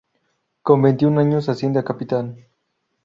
Con veintiún años asciende a capitán.